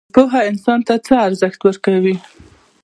پوهه انسان ته څه ارزښت ورکوي؟